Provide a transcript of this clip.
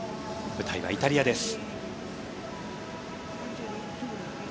舞台はイタリアです。